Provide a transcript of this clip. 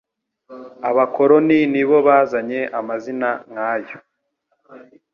abakoroni nibo bazanye amazina nkayo